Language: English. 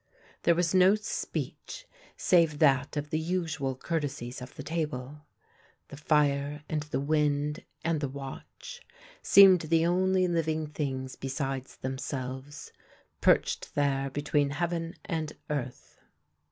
There was no speech save that of the usual courtesies of the table. The fire, and the wind, and the watch seemed the only living things besides themselves, perched there between heaven and earth.